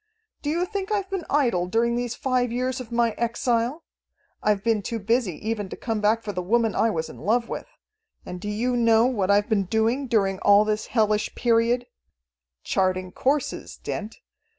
"Do you think I've been idle during these five years of my exile? I've been too busy even to come back for the woman I was in love with. And do you know what I've been doing during all this hellish period? Charting courses, Dent!